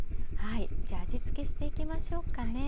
じゃあ味付けしていきましょうかね。